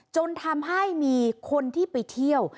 จนทำให้มีคนที่ไปเที่ยว